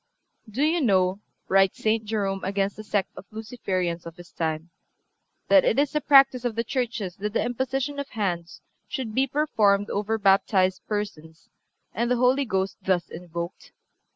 "Do you know," writes St. Jerome against the sect of Luciferians of his time, "that it is the practice of the churches that the imposition of hands should be performed over baptized persons and the Holy Ghost thus invoked?